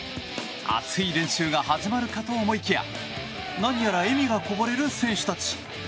熱い練習が始まるかと思いきや何やら笑みがこぼれる選手たち。